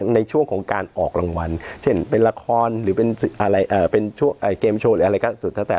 ในช่วงของการออกรางวัลเช่นเป็นละครหรือเป็นเกมโชว์หรืออะไรก็สุดแล้วแต่